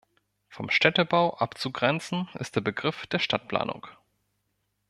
Vom Städtebau abzugrenzen ist der Begriff der Stadtplanung.